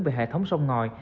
về hệ thống sông ngòi